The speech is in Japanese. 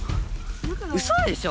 うそでしょ